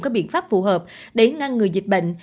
các biện pháp phù hợp để ngăn người dịch bệnh